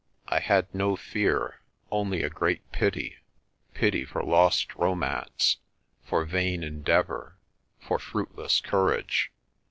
I had no fear, only a great pity pity for lost romance, for vain endeavour, for fruitless courage.